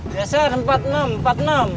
biasa ada empat puluh enam